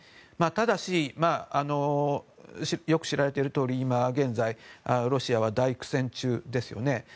ただし、よく知られているとおり今現在、ロシアは大苦戦中ですよね。